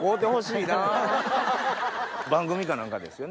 番組か何かですよね？